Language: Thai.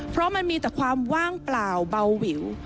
เพราะมันมีแต่ความว่างเปล่าเบาหวิว